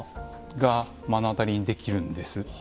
が目の当たりにできるんです。